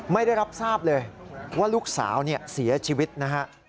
ไม่ได้รับทราบเลยว่าลูกสาวเสียชีวิตนะฮะ